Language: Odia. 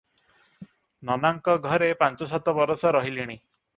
ନନାଙ୍କ ଘରେ ପାଞ୍ଚ ସାତ ବରଷ ରହିଲିଣି ।